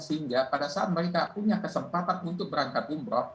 sehingga pada saat mereka punya kesempatan untuk berangkat umroh